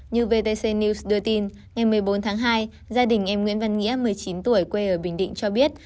như vtc news đưa tin ngày một mươi bốn tháng hai gia đình em nguyễn văn nghĩa một mươi chín tuổi quê ở bình định cho biết